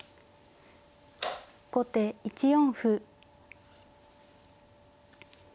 後手１四歩。